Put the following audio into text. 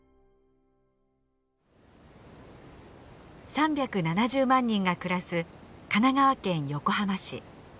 ３７０万人が暮らす神奈川県横浜市。